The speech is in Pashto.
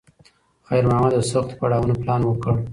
خیر محمد د سختو پړاوونو پلان وکړ.